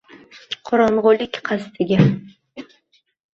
Qorong’ulik qasdiga